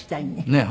ねえ。